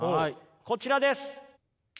こちらです。